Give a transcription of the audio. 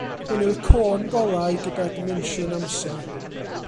Hwn yw'r côn golau gyda dimensiwn amser.